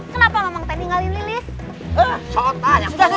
kenapa memang tinggalin lili